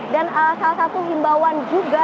jadi salah satu himbauan juga